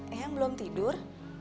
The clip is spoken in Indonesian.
eang belum tidur